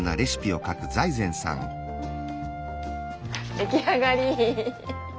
出来上がり！